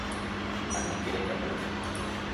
Ani reka'úti.